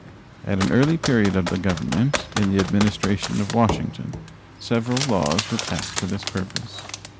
At an early period of the Government, in the Administration of Washington, several laws were passed for this purpose.